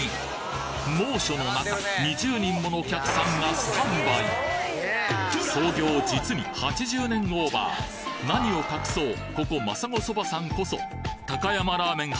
猛暑の中２０人ものお客さんがスタンバイ創業実に８０年オーバー何を隠そうここまさごそばさんこそ高山ラーメン